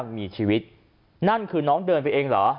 นั่นคือน้องเดินไปเองเหรอ